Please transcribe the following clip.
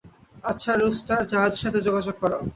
আচ্ছা, রুস্টার, জাহাজের সাথে যোগাযোগ করাও।